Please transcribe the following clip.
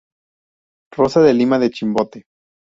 Rosa de Lima de Chimbote.